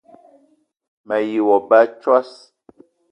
Me yi wa ba a tsoss!